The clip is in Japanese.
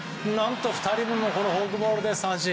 ２人目もフォークボールで三振。